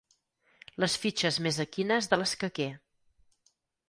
Les fitxes més equines de l'escaquer.